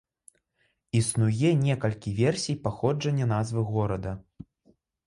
Існуе некалькі версій паходжання назвы горада.